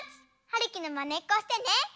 はるきのまねっこしてね！